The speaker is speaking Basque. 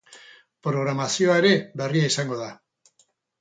Programazioa ere berria izango da.